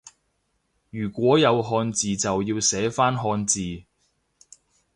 如果有漢字就要寫返漢字